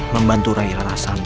membantu rakyat rasam